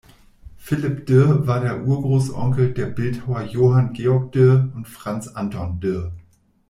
Philipp Dirr war der Urgroßonkel der Bildhauer Johann Georg Dirr und Franz Anton Dirr.